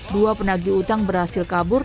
dua penagi utang berhasil kabur